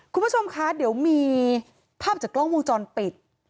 คุณผู้ชมคะเดี๋ยวมีภาพจากกล้องวงจรปิด